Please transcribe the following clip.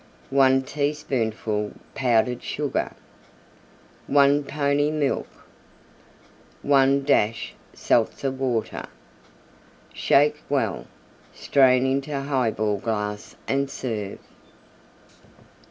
1 teaspoonful Powdered Sugar. 1 pony Milk. 1 dash Seltzer Water. Shake well; strain into Highball glass and serve.